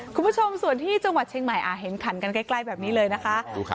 คุณผู้ชมส่วนที่จังหวัดเชียงใหม่เห็นขันกันใกล้แบบนี้เลยนะคะ